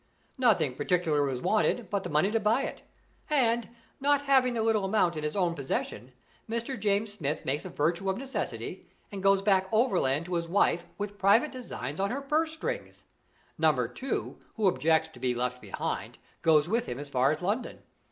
Nothing particular was wanted but the money to buy it; and, not having the little amount in his own possession, Mr. James Smith makes a virtue of necessity, and goes back overland to his wife with private designs on her purse strings. Number Two, who objects to be left behind, goes with him as far as London.